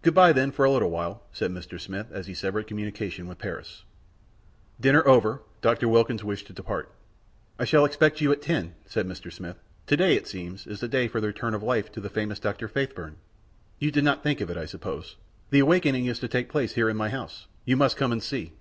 "Good by, then, for a little while," said Mr. Smith as he severed communication with Paris. Dinner over, Dr. Wilkins wished to depart. "I shall expect you at ten," said Mr Smith. "To day, it seems, is the day for the return to life of the famous Dr. Faithburn. You did not think of it, I suppose. The awakening is to take place here in my house. You must come and see.